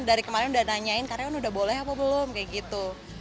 dari kemarin udah nanyain karyawan udah boleh apa belum kayak gitu